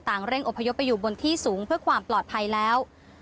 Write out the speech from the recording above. เร่งอพยพไปอยู่บนที่สูงเพื่อความปลอดภัยแล้ว